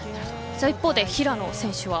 一方で平野選手は。